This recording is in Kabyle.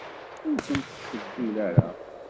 Ur kent-tettcewwil ara.